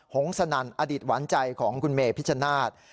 หงสนั่นอดีตหวานใจของคุณเมพิชชนาธิ์